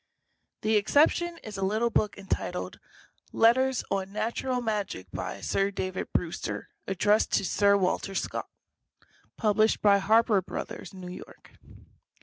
The exception is a little book entitled "Letters on Natural Magic, by Sir David Brewster, addressed to Sir Walter Scott," published by Harper Bros., New York.